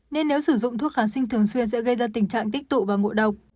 nên nếu sử dụng thuốc kháng sinh thường xuyên sẽ gây ra tình trạng tích tụ và ngộ độc